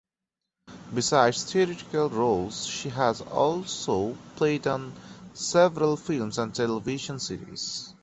Besides theatrical roles she has also played on several films and television series.